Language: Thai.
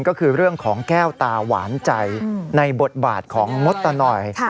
ก็คือเรื่องของแก้วตาหวานใจในบทบาทของมดตะหน่อย